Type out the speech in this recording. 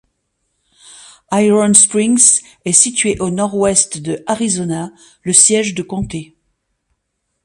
Iron Springs est située au nord-ouest de Arizona, le siège de comté.